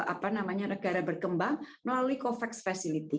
apa namanya negara berkembang melalui covax facility